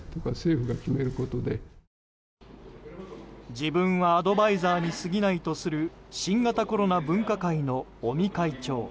自分はアドバイザーにすぎないとする新型コロナ分科会の尾身会長。